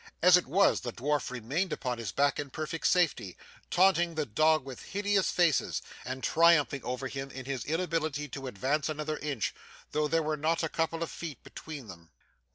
As it was, the dwarf remained upon his back in perfect safety, taunting the dog with hideous faces, and triumphing over him in his inability to advance another inch, though there were not a couple of feet between them.